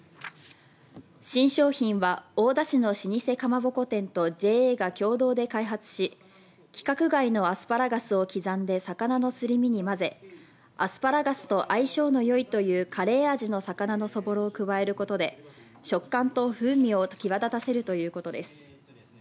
新商品は大田市の老舗かまぼこ店とＪＡが共同で開発し規格外のアスパラガスを刻んで魚のすり身に混ぜアスパラガスと相性のよいというカレー味の魚のそぼろを加えることで食感と風味を際立たせるということです。